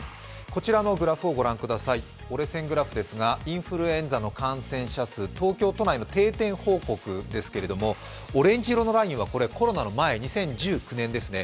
こちらのグラフをご覧ください、折れ線グラフですがインフルエンザの感染者数、東京都内の定点報告ですけれども、オレンジ色のラインはコロナの前２０１９年ですね。